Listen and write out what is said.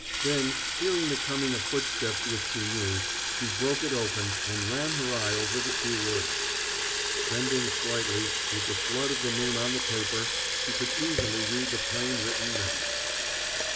Then, hearing the coming of footsteps which she knew, she broke it open, and ran her eye over the few words. Bending slightly, with the flood of the moon on the paper, she could easily read the plainly written, message.